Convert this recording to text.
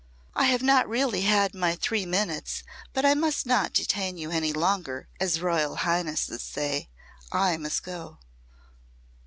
"I have not really had my three minutes, but 'I must not detain you any longer,' as Royal Highnesses say. I must go."